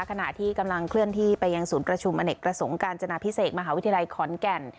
ขณะที่กำลังเคลื่อนที่ไปยังศูนย์ประชุมอเนกประสงค์การจนาพิเศษมหาวิทยาลัยขอนแก่น